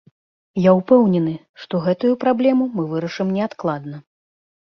Я ўпэўнены, што гэтую праблему мы вырашым неадкладна.